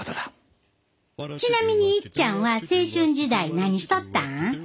ちなみにいっちゃんは青春時代何しとったん？